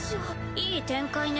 いい展開ね。